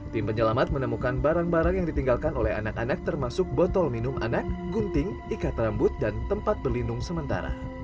tim penyelamat menemukan barang barang yang ditinggalkan oleh anak anak termasuk botol minum anak gunting ikat rambut dan tempat berlindung sementara